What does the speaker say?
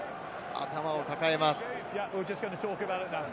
頭を抱えます。